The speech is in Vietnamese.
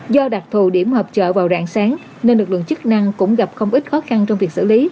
do đặc thù điểm hợp chợ vào rạng sáng nên lực lượng chức năng cũng gặp không ít khó khăn trong việc xử lý